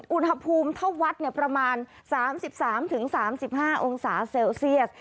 อุณหภูมิเท่าวัดประมาณ๓๓๕องศาเซลเซียส